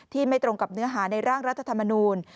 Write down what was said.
ไม่ตรงกับเนื้อหาในร่างรัฐธรรมนูล